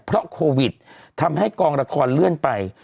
เพราะโควิดทำให้กองละครเลื่อนไป